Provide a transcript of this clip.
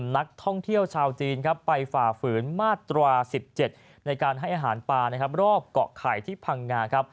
นักท่องเที่ยวชาวจีนครับไปฝ่าฝืนมาตรา๑๗ในการให้อาหารปลานะครับรอบเกาะไข่ที่พังงาครับ